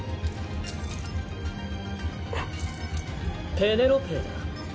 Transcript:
ペーネロペーだ。